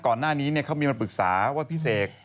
ก่อนหน้านี้เขามีมาปรึกษาว่าพี่เสก